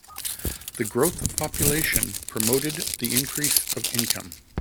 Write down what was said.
The growth of population promoted the increase of income.